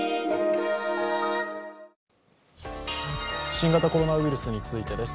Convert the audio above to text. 新型コロナウイルスについてです。